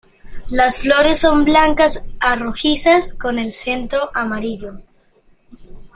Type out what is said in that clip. Las flores son blancas a rojizas, con el centro amarillo.